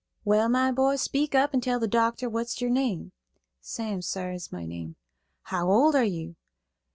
"Well, my boy, speak up and tell the doctor what's your name." "Sam, sar, is my name." "How old are you?"